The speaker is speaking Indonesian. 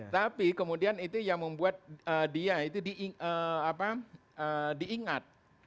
tapi kemudian itu yang membuat dia itu diingat